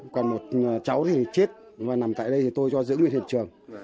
còn một cháu thì chết và nằm tại đây thì tôi cho giữ nguyên hiện trường